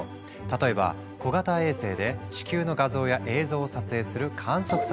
例えば小型衛星で地球の画像や映像を撮影する観測サービス。